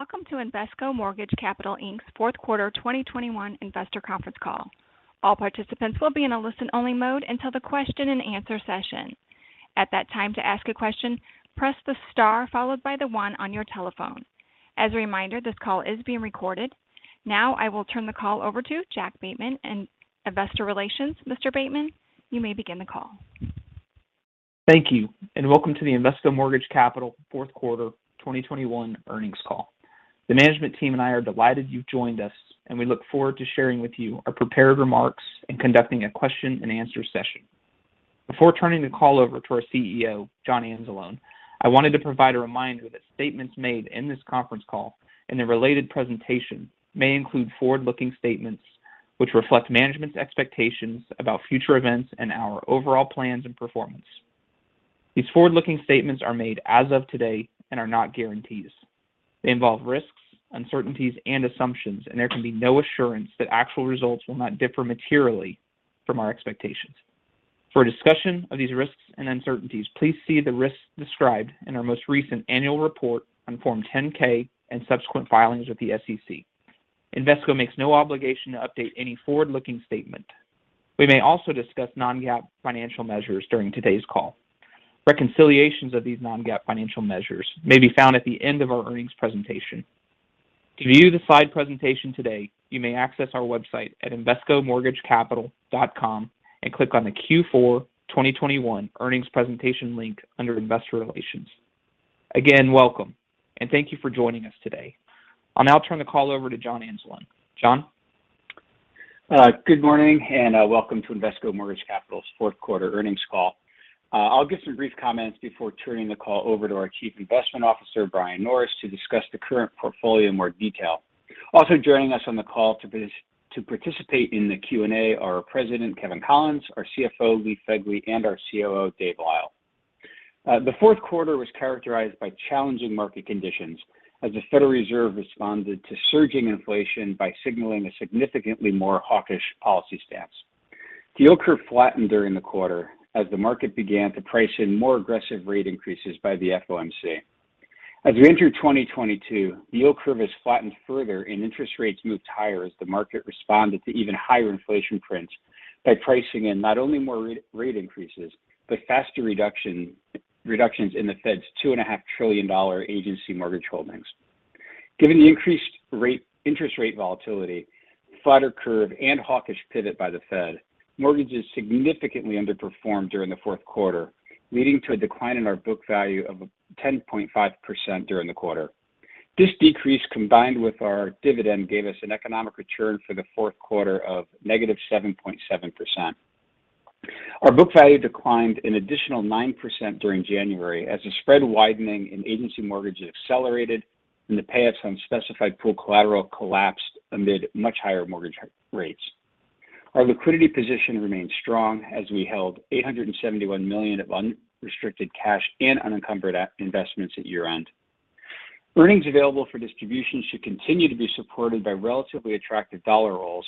Welcome to Invesco Mortgage Capital Inc.'s fourth quarter 2021 Investor Conference Call. All participants will be in a listen-only mode until the question and answer session. At that time, to ask a question, press the star followed by the one on your telephone. As a reminder, this call is being recorded. Now I will turn the call over to Jack Bateman in investor relations. Mr. Bateman, you may begin the call. Thank you, and welcome to the Invesco Mortgage Capital fourth quarter 2021 earnings call. The management team and I are delighted you've joined us, and we look forward to sharing with you our prepared remarks and conducting a question and answer session. Before turning the call over to our CEO, John Anzalone, I wanted to provide a reminder that statements made in this conference call and the related presentation may include forward-looking statements which reflect management's expectations about future events and our overall plans and performance. These forward-looking statements are made as of today and are not guarantees. They involve risks, uncertainties and assumptions, and there can be no assurance that actual results will not differ materially from our expectations. For a discussion of these risks and uncertainties, please see the risks described in our most recent annual report on Form 10-K and subsequent filings with the SEC. Invesco makes no obligation to update any forward-looking statement. We may also discuss non-GAAP financial measures during today's call. Reconciliations of these non-GAAP financial measures may be found at the end of our earnings presentation. To view the slide presentation today, you may access our website at invescomortgagecapital.com and click on the Q4 2021 earnings presentation link under Investor Relations. Again, welcome and thank you for joining us today. I'll now turn the call over to John Anzalone. John? Good morning and welcome to Invesco Mortgage Capital's fourth quarter earnings call. I'll give some brief comments before turning the call over to our Chief Investment Officer, Brian Norris, to discuss the current portfolio in more detail. Also joining us on the call to participate in the Q&A are our President, Kevin Collins, our CFO, Lee Phegley, and our COO, Dave Lyle. The fourth quarter was characterized by challenging market conditions as the Federal Reserve responded to surging inflation by signaling a significantly more hawkish policy stance. The yield curve flattened during the quarter as the market began to price in more aggressive rate increases by the FOMC. As we enter 2022, the yield curve has flattened further and interest rates moved higher as the market responded to even higher inflation trends by pricing in not only more rate increases, but faster reductions in the Fed's $2.5 trillion agency mortgage holdings. Given the interest rate volatility, flatter curve and hawkish pivot by the Fed, mortgages significantly underperformed during the fourth quarter, leading to a decline in our book value of 10.5% during the quarter. This decrease, combined with our dividend, gave us an economic return for the fourth quarter of -7.7%. Our book value declined an additional 9% during January as the spread widening in agency mortgages accelerated and the payoffs on specified pool collateral collapsed amid much higher mortgage rates. Our liquidity position remains strong as we held $871 million of unrestricted cash and unencumbered investments at year-end. Earnings available for distribution should continue to be supported by relatively attractive dollar rolls,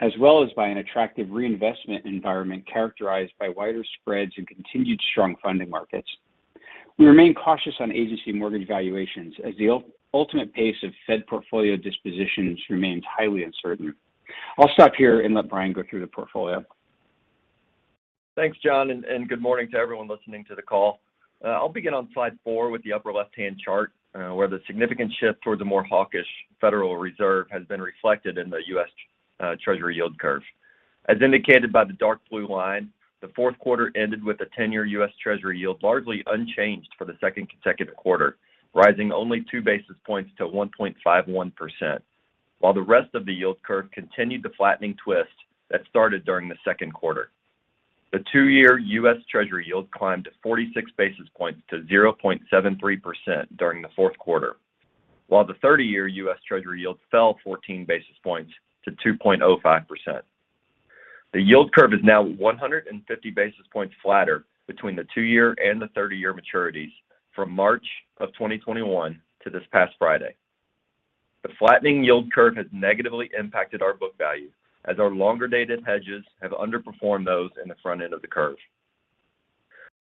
as well as by an attractive reinvestment environment characterized by wider spreads and continued strong funding markets. We remain cautious on Agency mortgage valuations as the ultimate pace of Fed portfolio dispositions remains highly uncertain. I'll stop here and let Brian go through the portfolio. Thanks, John, and good morning to everyone listening to the call. I'll begin on slide four with the upper left-hand chart, where the significant shift towards a more hawkish Federal Reserve has been reflected in the U.S. Treasury yield curve. As indicated by the dark blue line, the fourth quarter ended with a ten-year U.S. Treasury yield largely unchanged for the second consecutive quarter, rising only 2 basis points to 1.51%, while the rest of the yield curve continued the flattening twist that started during the second quarter. The two-year U.S. Treasury yield climbed 46 basis points to 0.73% during the fourth quarter, while the 30-year U.S. Treasury yield fell 14 basis points to 2.05%. The yield curve is now 150 basis points flatter between the two-year and the 30-year maturities from March 2021 to this past Friday. The flattening yield curve has negatively impacted our book value as our longer dated hedges have underperformed those in the front end of the curve.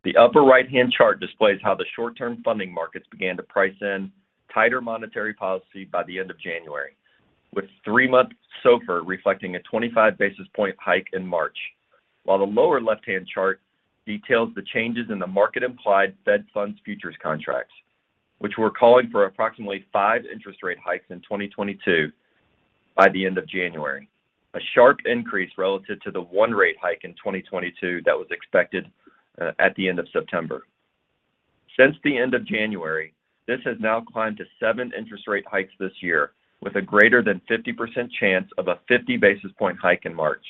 The upper right-hand chart displays how the short-term funding markets began to price in tighter monetary policy by the end of January, with three-month SOFR reflecting a 25 basis point hike in March. While the lower left-hand chart details the changes in the market implied Fed Funds futures contracts, which were calling for approximately five interest rate hikes in 2022 by the end of January, a sharp increase relative to the one rate hike in 2022 that was expected at the end of September. Since the end of January, this has now climbed to seven interest rate hikes this year, with a greater than 50% chance of a 50 basis point hike in March.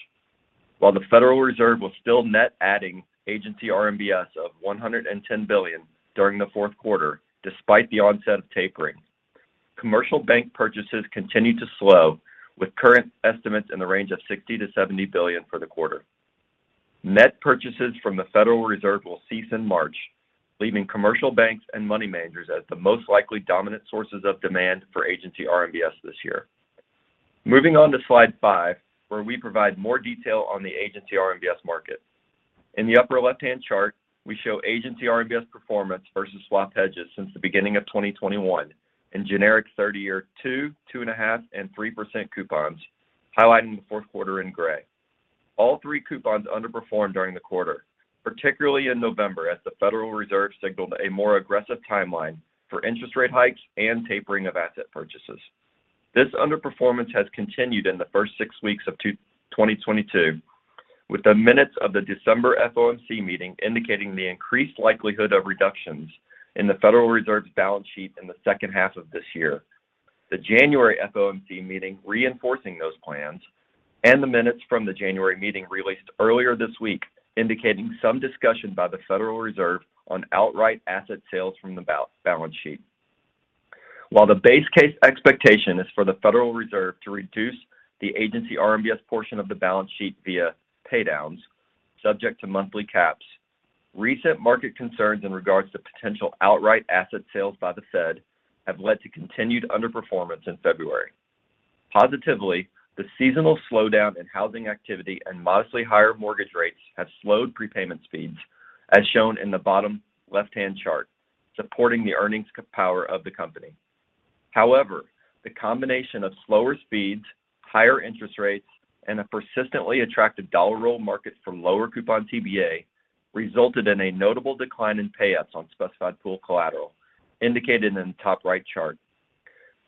While the Federal Reserve was still net adding Agency RMBS of $110 billion during the fourth quarter, despite the onset of tapering, commercial bank purchases continued to slow, with current estimates in the range of $60 billion-$70 billion for the quarter. Net purchases from the Federal Reserve will cease in March, leaving commercial banks and money managers as the most likely dominant sources of demand for Agency RMBS this year. Moving on to slide five, where we provide more detail on the Agency RMBS market. In the upper left-hand chart, we show Agency RMBS performance versus swap hedges since the beginning of 2021 in generic 30-year 2%, 2.5%, and 3% coupons, highlighting the fourth quarter in gray. All three coupons underperformed during the quarter, particularly in November as the Federal Reserve signaled a more aggressive timeline for interest rate hikes and tapering of asset purchases. This underperformance has continued in the first six weeks of 2022, with the minutes of the December FOMC meeting indicating the increased likelihood of reductions in the Federal Reserve's balance sheet in the second half of this year. The January FOMC meeting reinforcing those plans and the minutes from the January meeting released earlier this week indicating some discussion by the Federal Reserve on outright asset sales from the balance sheet. While the base case expectation is for the Federal Reserve to reduce the Agency RMBS portion of the balance sheet via pay downs, subject to monthly caps, recent market concerns in regards to potential outright asset sales by the Fed have led to continued underperformance in February. Positively, the seasonal slowdown in housing activity and modestly higher mortgage rates have slowed prepayment speeds, as shown in the bottom left-hand chart, supporting the earnings power of the company. However, the combination of slower speeds, higher interest rates, and a persistently attractive dollar roll market from lower-coupon TBA resulted in a notable decline in payoffs on specified pool collateral, indicated in the top right chart.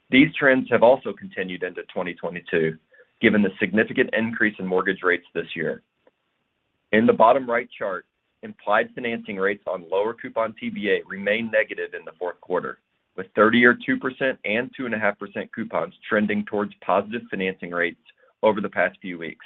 These trends have also continued into 2022, given the significant increase in mortgage rates this year. In the bottom right chart, implied financing rates on lower-coupon TBA remained negative in the fourth quarter, with 30-year 2% and 2.5% coupons trending towards positive financing rates over the past few weeks.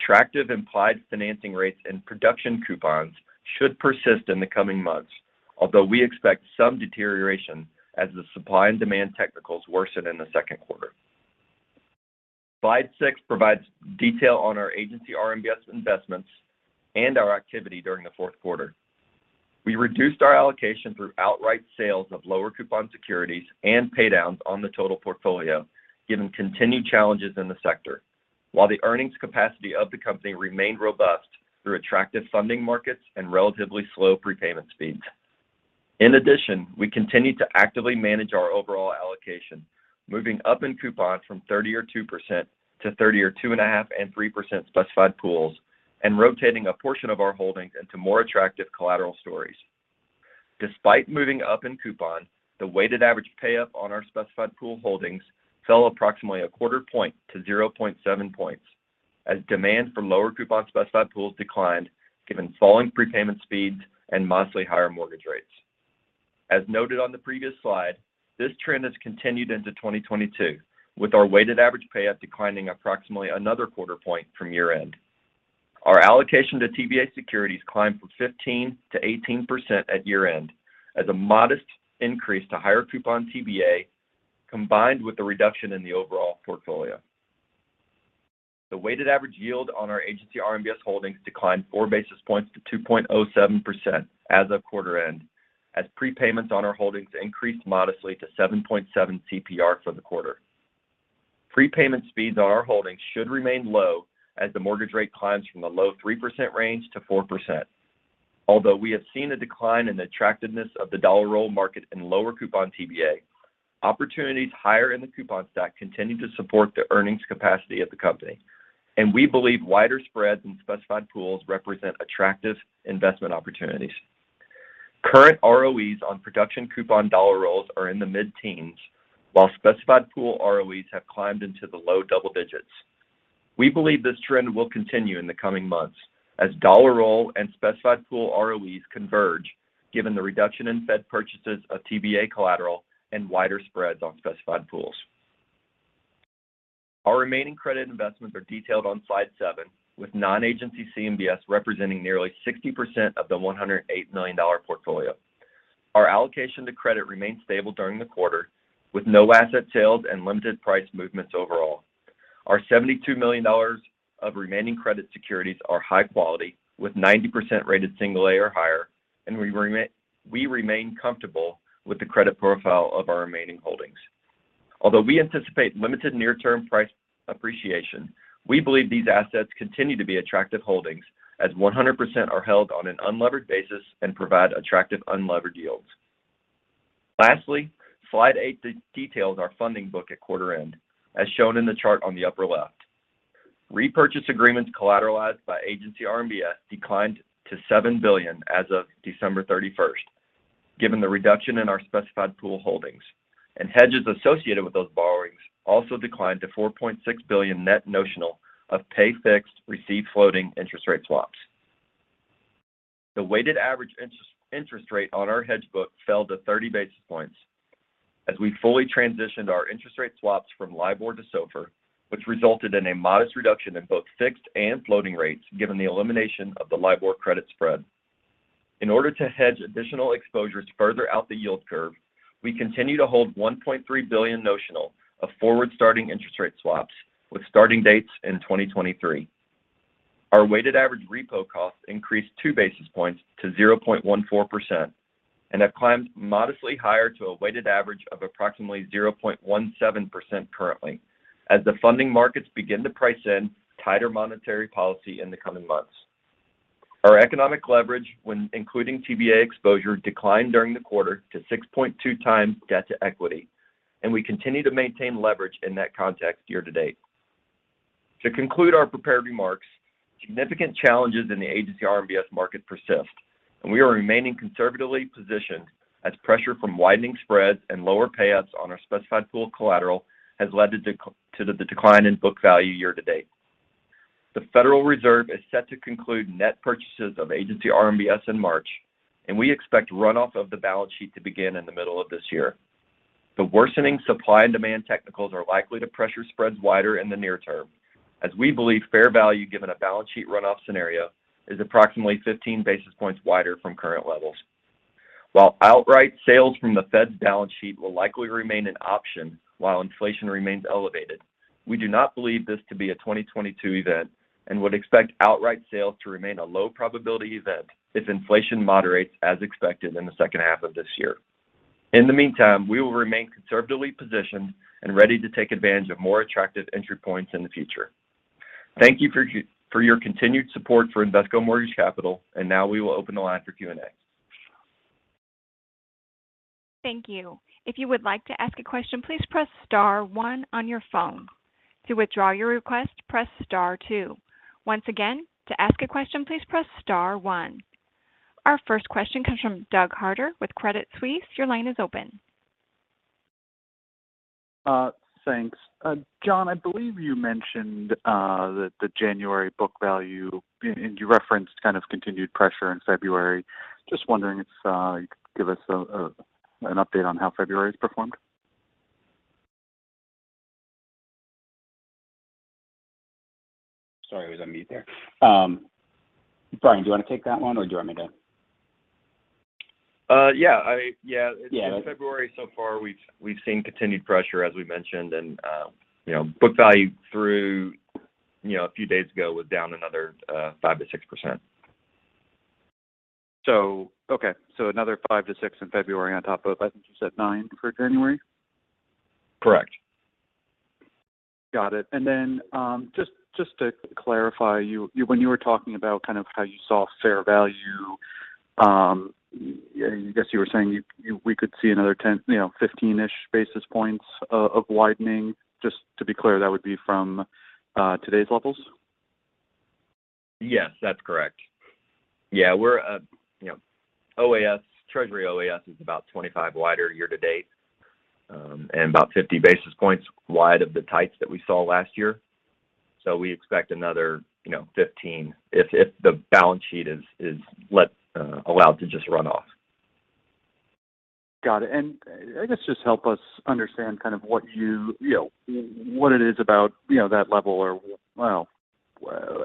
Attractive implied financing rates and production coupons should persist in the coming months, although we expect some deterioration as the supply and demand technicals worsen in the second quarter. Slide six provides detail on our Agency RMBS investments and our activity during the fourth quarter. We reduced our allocation through outright sales of lower-coupon securities and pay downs on the total portfolio, given continued challenges in the sector, while the earnings capacity of the company remained robust through attractive funding markets and relatively slow prepayment speeds. In addition, we continued to actively manage our overall allocation, moving up in coupons from 30-year 2% to 30-year 2.5% and 3% specified pools, and rotating a portion of our holdings into more attractive collateral stories. Despite moving up in coupon, the weighted average pay up on our specified pool holdings fell approximately 0.25 point to 0.7 points as demand for lower coupon specified pools declined given falling prepayment speeds and modestly higher mortgage rates. As noted on the previous slide, this trend has continued into 2022, with our weighted average pay up declining approximately another 0.25 point from year-end. Our allocation to TBA securities climbed from 15%-18% at year-end as a modest increase to higher-coupon TBA combined with the reduction in the overall portfolio. The weighted average yield on our Agency RMBS holdings declined 4 basis points to 2.07% as of quarter end, as prepayments on our holdings increased modestly to 7.7 CPR for the quarter. Prepayment speeds on our holdings should remain low as the mortgage rate climbs from the low 3% range to 4%. Although we have seen a decline in the attractiveness of the dollar roll market in lower coupon TBA, opportunities higher in the coupon stack continue to support the earnings capacity of the company. We believe wider spreads in specified pools represent attractive investment opportunities. Current ROEs on production coupon dollar rolls are in the mid-teens, while specified pool ROEs have climbed into the low double digits. We believe this trend will continue in the coming months as dollar roll and specified pool ROEs converge given the reduction in Fed purchases of TBA collateral and wider spreads on specified pools. Our remaining credit investments are detailed on slide seven, with non-agency CMBS representing nearly 60% of the $108 million portfolio. Our allocation to credit remained stable during the quarter, with no asset sales and limited price movements overall. Our $72 million of remaining credit securities are high quality, with 90% rated single A or higher, and we remain comfortable with the credit profile of our remaining holdings. Although we anticipate limited near-term price appreciation, we believe these assets continue to be attractive holdings as 100% are held on an unlevered basis and provide attractive unlevered yields. Lastly, slide eight details our funding book at quarter end, as shown in the chart on the upper left. Repurchase agreements collateralized by Agency RMBS declined to $7 billion as of December 31, given the reduction in our specified pool holdings, and hedges associated with those borrowings also declined to $4.6 billion net notional of pay fixed, receive floating interest rate swaps. The weighted average interest rate on our hedge book fell to 30 basis points as we fully transitioned our interest rate swaps from LIBOR to SOFR, which resulted in a modest reduction in both fixed and floating rates given the elimination of the LIBOR credit spread. In order to hedge additional exposures further out the yield curve, we continue to hold $1.3 billion notional of forward-starting interest rate swaps with starting dates in 2023. Our weighted average repo costs increased 2 basis points to 0.14% and have climbed modestly higher to a weighted average of approximately 0.17% currently as the funding markets begin to price in tighter monetary policy in the coming months. Our economic leverage when including TBA exposure declined during the quarter to 6.2x debt to equity, and we continue to maintain leverage in that context year-to-date. To conclude our prepared remarks, significant challenges in the Agency RMBS market persist, and we are remaining conservatively positioned as pressure from widening spreads and lower payouts on our specified pool collateral has led to the decline in book value year-to-date. The Federal Reserve is set to conclude net purchases of Agency RMBS in March, and we expect runoff of the balance sheet to begin in the middle of this year. The worsening supply and demand technicals are likely to pressure spreads wider in the near term as we believe fair value given a balance sheet runoff scenario is approximately 15 basis points wider from current levels. While outright sales from the Fed's balance sheet will likely remain an option while inflation remains elevated, we do not believe this to be a 2022 event and would expect outright sales to remain a low probability event if inflation moderates as expected in the second half of this year. In the meantime, we will remain conservatively positioned and ready to take advantage of more attractive entry points in the future. Thank you for your continued support for Invesco Mortgage Capital, and now we will open the line for Q&A. Thank you. If you would like to ask a question, please press star one on your phone. To withdraw your request, press start two. Once again, to ask a question, please press start one. Our first question comes from Doug Harter with Credit Suisse. Your line is open. Thanks. John, I believe you mentioned the January book value and you referenced kind of continued pressure in February. Just wondering if you could give us an update on how February has performed? Sorry, I was on mute there. Brian, do you want to take that one, or do you want me to? Yeah. Yeah. In February so far, we've seen continued pressure as we mentioned and, you know, book value through, you know, a few days ago was down another 5%-6%. Okay. Another 5%-6% in February on top of, I think you said 9% for January? Correct. Got it. Just to clarify, when you were talking about kind of how you saw fair value, I guess you were saying we could see another 10, you know, 15-ish basis points of widening. Just to be clear, that would be from today's levels? Yes, that's correct. Yeah, we're, you know, OAS, Treasury OAS is about 25 wider year-to-date, and about 50 basis points wide of the types that we saw last year. We expect another, you know, 15 if the balance sheet is allowed to just run off. Got it. I guess just help us understand kind of what, you know, what it is about, you know, that level or, well,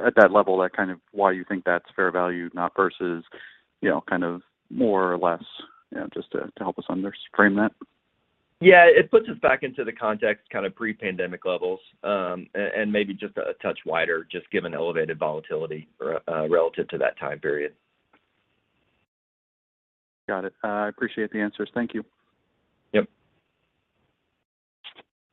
at that level, that kind of why you think that's fair value not versus, you know, kind of more or less, you know, just to help us understand that. Yeah. It puts us back into the context kind of pre-pandemic levels, and maybe just a touch wider just given elevated volatility relative to that time period. Got it. I appreciate the answers. Thank you. Yep.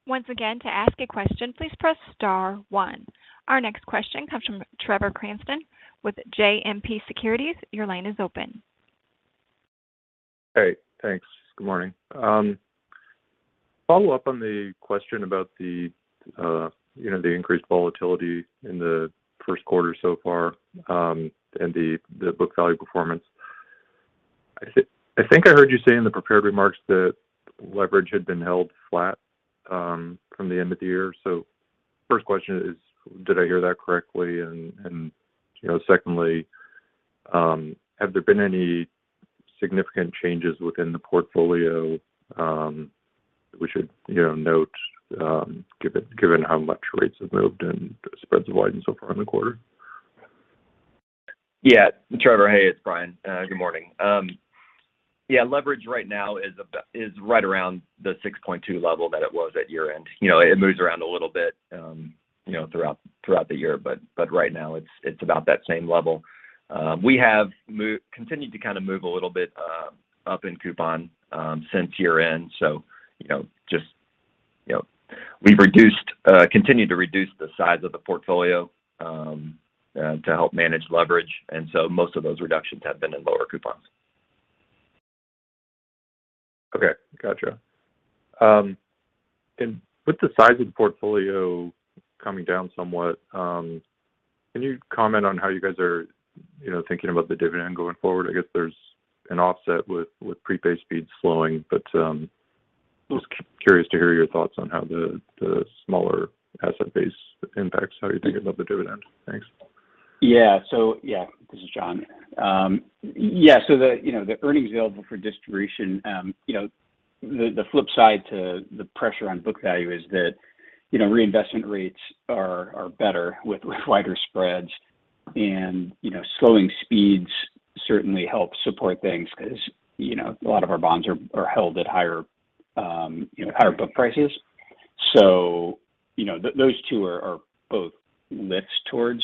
Once again, to ask a question, please press star one. Our next question comes from Trevor Cranston with JMP Securities. Your line is open. Hey, thanks. Good morning. Follow up on the question about the, you know, the increased volatility in the first quarter so far, and the book value performance. I think I heard you say in the prepared remarks that leverage had been held flat from the end of the year. First question is, did I hear that correctly? And, you know, secondly, have there been any significant changes within the portfolio we should note, given how much rates have moved and spreads have widened so far in the quarter? Yeah. Trevor, hey, it's Brian. Good morning. Yeah, leverage right now is right around the 6.2 level that it was at year-end. You know, it moves around a little bit, you know, throughout the year, but right now it's about that same level. We have continued to kind of move a little bit up in coupon since year-end. You know, just, you know, we've continued to reduce the size of the portfolio to help manage leverage. Most of those reductions have been in lower coupons. Okay. Gotcha. With the size of the portfolio coming down somewhat, can you comment on how you guys are, you know, thinking about the dividend going forward? I guess there's an offset with prepay speeds slowing, but just curious to hear your thoughts on how the smaller asset base impacts, how you're thinking about the dividend. Thanks. Yeah. So yeah, this is John. Yeah. The earnings available for distribution, you know, the flip side to the pressure on book value is that, you know, reinvestment rates are better with wider spreads. You know, slowing speeds certainly help support things because, you know, a lot of our bonds are held at higher book prices. You know, those two are both lifts towards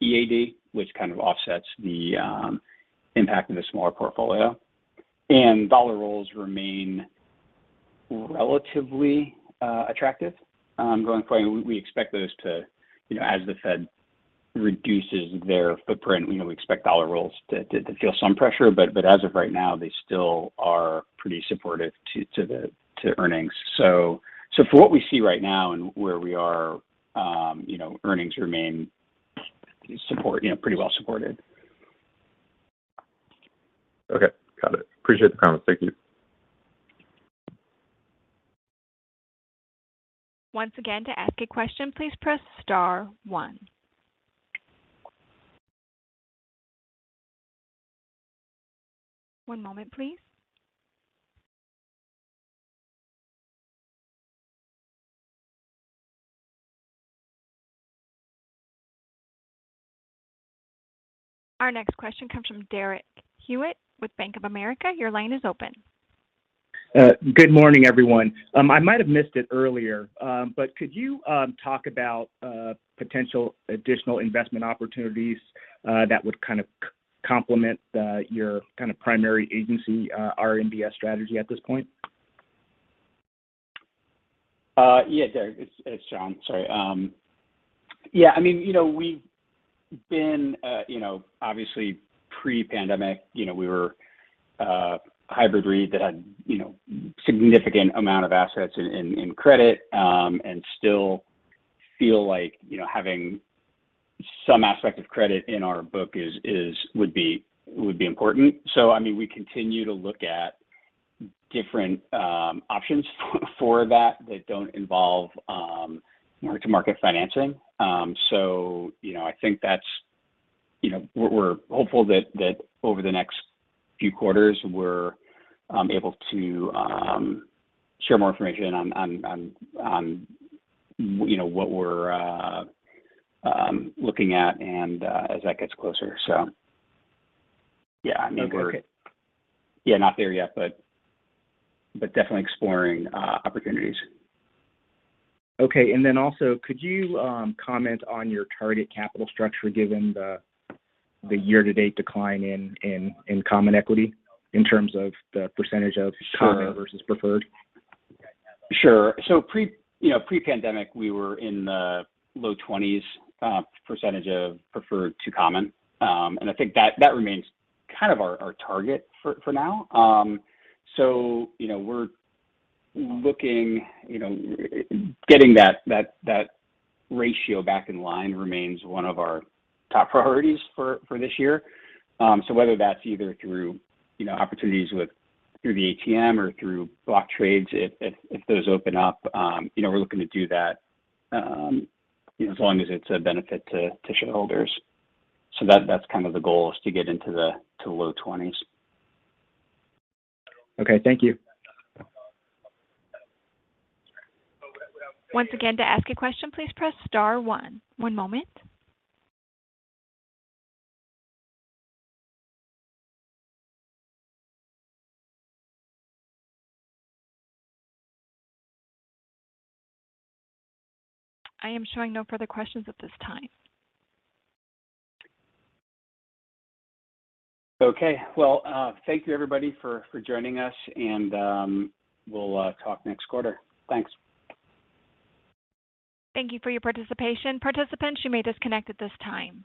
EAD, which kind of offsets the impact of the smaller portfolio. Dollar rolls remain relatively attractive. Going forward, we expect those to, you know, as the Fed reduces their footprint, you know, we expect dollar rolls to feel some pressure, but as of right now, they still are pretty supportive to the earnings. For what we see right now and where we are, you know, earnings remain pretty well supported. Okay. Got it. Appreciate the comments. Thank you. Once again, to ask a question, please press star one. One moment please. Our next question comes from Derek Hewett with Bank of America. Your line is open. Good morning, everyone. I might have missed it earlier, but could you talk about potential additional investment opportunities that would kind of complement your kind of primary Agency RMBS strategy at this point? Yeah, Derek. It's John. Sorry. Yeah, I mean, you know, we've been, you know, obviously pre-pandemic, you know, we were a hybrid REIT that had, you know, significant amount of assets in credit, and still feel like, you know, having some aspect of credit in our book would be important. I mean, we continue to look at different options for that that don't involve mark-to-market financing. You know, I think that's, you know. We're hopeful that over the next few quarters, we're able to share more information on what we're looking at and as that gets closer. So yeah. I mean, we're- Okay. Yeah, not there yet, but definitely exploring opportunities. Okay. Also could you comment on your target capital structure given the year-to-date decline in common equity in terms of the percentage of common versus preferred? Sure. Pre-pandemic, you know, we were in the low 20s% of preferred to common. I think that remains kind of our target for now. Getting that ratio back in line remains one of our top priorities for this year. Whether that's either through the ATM or through block trades, if those open up, you know, we're looking to do that, you know, as long as it's a benefit to shareholders. That's kind of the goal, to get into the low 20s%. Okay. Thank you. Once again, to ask a question, please press star one. One moment. I am showing no further questions at this time. Okay. Well, thank you everybody for joining us, and we'll talk next quarter. Thanks. Thank you for your participation. Participants, you may disconnect at this time.